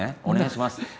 お願いします。